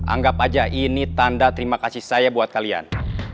anggap aja ini tanda terima kasih saya buat kalian